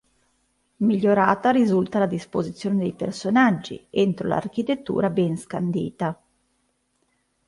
Migliorata risulta la disposizione dei personaggi, entro l'architettura ben scandita.